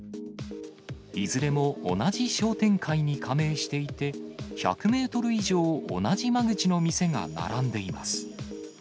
いずれも同じ商店会に加盟していて、１００メートル以上、同じ間口の店が並んでいます。